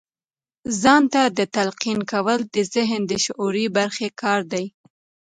ځان ته تلقين کول د ذهن د شعوري برخې کار دی.